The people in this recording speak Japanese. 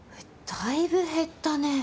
だいぶ減ったね